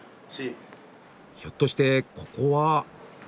ひょっとしてここは？